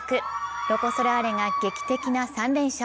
ロコ・ソラーレが劇的な３連勝。